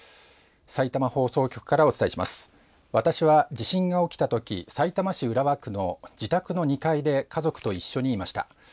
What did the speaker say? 私は地震が起きたときさいたま市浦和区の自宅の２階で家族と一緒にいました。